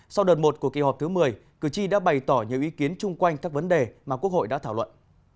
sau đợt một của kỳ họp thứ một mươi cử tri đã bày tỏ nhiều ý kiến chung quanh các vấn đề mà quốc hội đã thảo luận